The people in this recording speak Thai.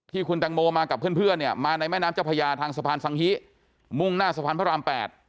คุณแตงโมมากับเพื่อนเนี่ยมาในแม่น้ำเจ้าพญาทางสะพานสังฮิมุ่งหน้าสะพานพระราม๘